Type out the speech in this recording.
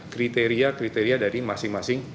kriteria kriteria dari masing masing